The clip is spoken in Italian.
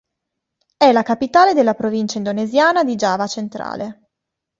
È la capitale della provincia indonesiana di Giava Centrale.